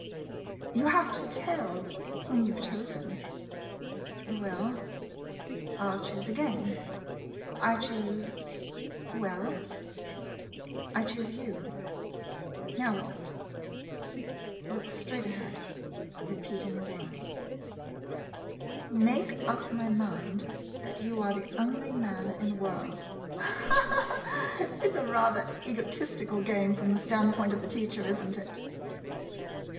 You have to tell whom you 've chosen ? Oh, well — I '11 choose again. I choose — well — I choose you. Now what ? [Looks straight ahead, repeating his words.] " Make up my mind that you are the only man in the world! " It 's rather an egotistical game from the standpoint of the teacher, is n't it ?